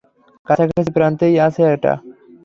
কাছাকাছি প্রান্তেই আছে এটা!